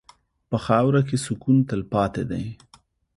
په خاوره کې سکون تلپاتې دی.